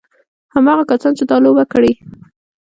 هماغه کسانو چې دا لوبه کړې.